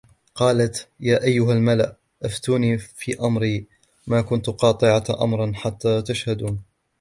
قالت يا أيها الملأ أفتوني في أمري ما كنت قاطعة أمرا حتى تشهدون